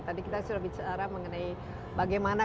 tadi kita sudah bicara mengenai bagaimana